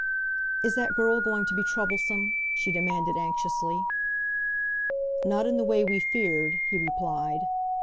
"Is that girl going to be troublesome?" she demanded anxiously. "Not in the way we feared," he replied.